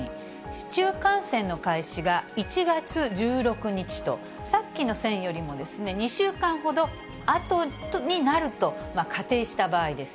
市中感染の開始が１月１６日と、さっきの線よりも２週間ほどあとになると仮定した場合です。